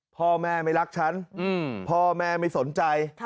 พ่อแม่ไม่รักฉันพ่อแม่ไม่สนใจ